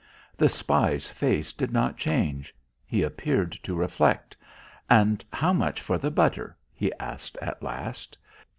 The spy's face did not change. He appeared to reflect. "And how much for the butter?" he asked at last.